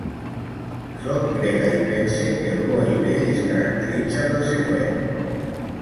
Soc grega i pense que el bo i bell es caracteritza pel següent: